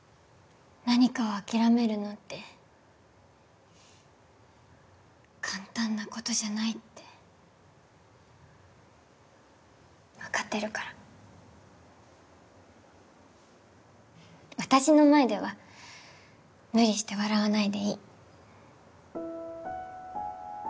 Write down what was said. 何かを諦めるのって簡単なことじゃないって分かってるから私の前では無理して笑わないでいい